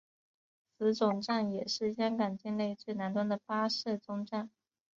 此总站也是香港境内最南端的巴士终站。